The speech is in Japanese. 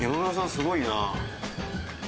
すごいな。